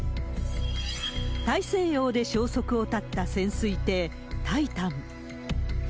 大西洋で消息を絶った潜水艇タイタン。